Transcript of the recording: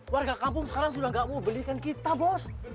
warga kampung sekarang sudah tidak mau belikan kita bos